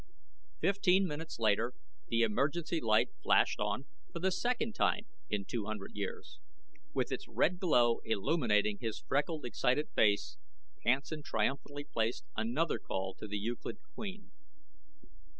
Fifteen minutes later the emergency light flashed on for the second time in two hundred years. With its red glow illuminating his freckled excited face, Hansen triumphantly placed another call to the Euclid Queen.